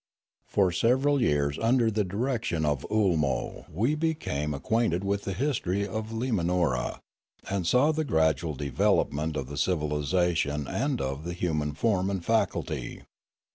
For several years under the direction of Oolmo we became ac quainted with the history of Limanora, and saw the gradual development of the civilisation and of the hu man form and faculty.